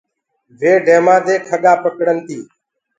وي ڊيمآ دي کڳآ پَڪڙن تي۔